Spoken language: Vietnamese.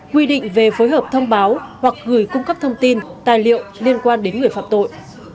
quy định về phối hợp thông báo hoặc gửi cung cấp thông tin tài liệu liên quan đến người phạm tội